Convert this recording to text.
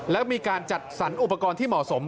และมีการจัดสรรอุปกรณ์ที่เหมาะสม